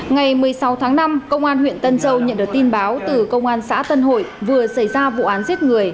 ngày một mươi sáu tháng năm công an huyện tân châu nhận được tin báo từ công an xã tân hội vừa xảy ra vụ án giết người